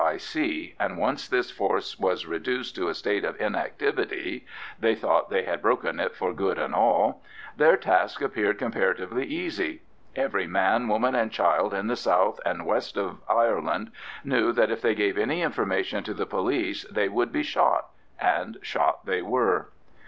I.C., and once this force was reduced to a state of inactivity—they thought they had broken it for good and all—their task appeared comparatively easy. Every man, woman, and child in the south and west of Ireland knew that if they gave any information to the police they would be shot, and shot they were.